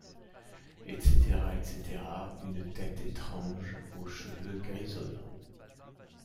etc., etc. Une tête étrange aux cheveux grisonnants...